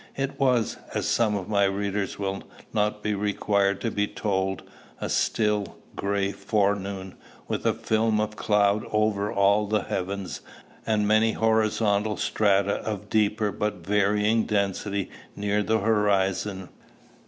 It was, as some of my readers will not require to be told, a still, gray forenoon, with a film of cloud over all the heavens, and many horizontal strata of deeper but varying density near the horizon.